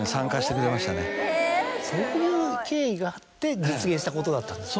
そういう経緯があって実現したことだったんですね。